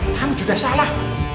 kamu juga salah